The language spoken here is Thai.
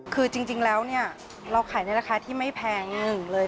คือจริงแล้วเนี่ยเราขายในราคาที่ไม่แพงหนึ่งเลย